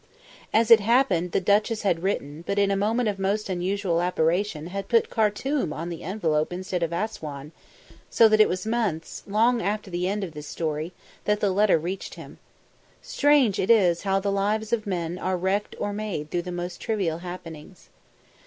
As it happened, the duchess had written, but in a moment of most unusual aberration had put Khartoum on the envelope instead of Assouan, so that it was months, long after the end of this story, that the letter reached him. Strange is it how the lives of men are wrecked or made through the most trivial happenings.